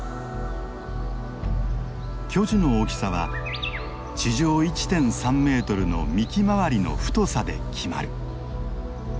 巨樹の大きさは地上１．３メートルの幹周りの太さで決まる。